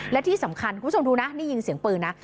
และที่สำคัญคุณผู้ชมดูนะได้ยินเสียงปืนนะ